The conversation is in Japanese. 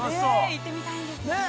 ◆行ってみたいですよね。